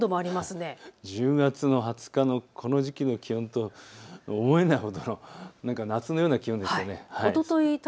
１０月の２０日のこの時期の気温とは思えないほどの夏のような気温ですね。